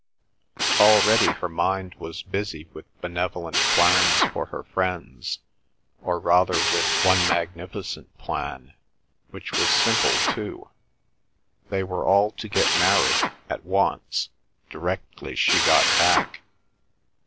Already her mind was busy with benevolent plans for her friends, or rather with one magnificent plan—which was simple too—they were all to get married—at once—directly she got back.